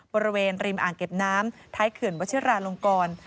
บริเวณริมอ่างเก็บน้ำท้ายเขื่อนวัชิราลงกร